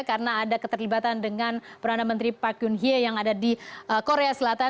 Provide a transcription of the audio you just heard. karena ada keterlibatan dengan peran menteri park geun hye yang ada di korea selatan